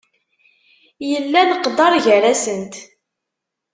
Yella leqder gar-asent.